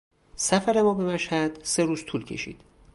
سفر ما به مشهد سه روز طول کشید.